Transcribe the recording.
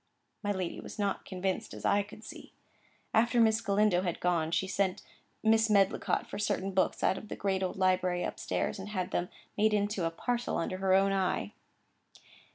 My lady was not convinced, as I could see. After Miss Galindo had gone, she sent Mrs. Medlicott for certain books out of the great old library up stairs, and had them made up into a parcel under her own eye.